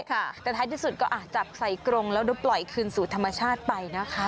แต่ท้ายที่สุดก็จับใส่กรงแล้วเดี๋ยวปล่อยคืนสู่ธรรมชาติไปนะคะ